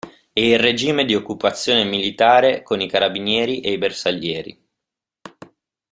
E il regime di occupazione militare con i carabinieri e i bersaglieri.